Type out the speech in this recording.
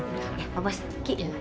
ya papah sedikit